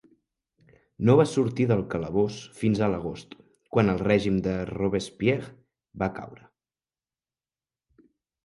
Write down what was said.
No va sortir del calabós fins a l'agost, quan el règim de Robespierre va caure.